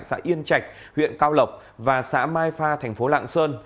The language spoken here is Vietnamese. xã yên trạch huyện cao lộc và xã mai pha tp lạng sơn